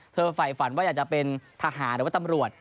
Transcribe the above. ฝ่ายฝันว่าอยากจะเป็นทหารหรือว่าตำรวจ